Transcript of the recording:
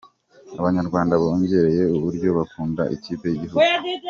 Abanyarwanda bongereye uburyo bakundaga ikipe y’igihugu.